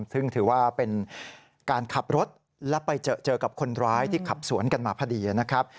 ซึ่งถือว่าเป็นการขับรถและไปเจอกับคนร้ายที่ขับสวนกันมาพอดีนะครับ